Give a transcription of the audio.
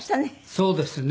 そうですね。